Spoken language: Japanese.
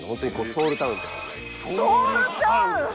ソウルタウン！